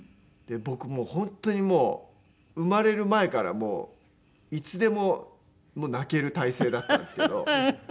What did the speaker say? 僕本当に生まれる前からもういつでも泣ける態勢だったんですけど。